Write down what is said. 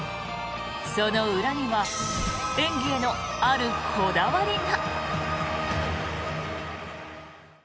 その裏には演技へのあるこだわりが。